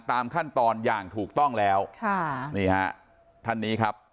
ตามขั้นตอนอย่างถูกต้องแล้วค่ะนี่ฮะท่านนี้ครับ